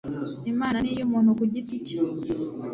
Imana ni iy'umuntu kugiti cye.